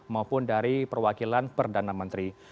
maupun dari perwakilan perdana menteri